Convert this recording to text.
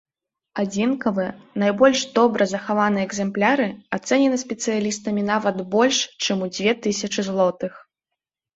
Адзінкавыя, найбольш добра захаваныя экземпляры, ацэнены спецыялістамі нават больш чым у дзве тысячы злотых.